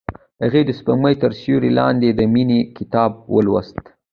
هغې د سپوږمۍ تر سیوري لاندې د مینې کتاب ولوست.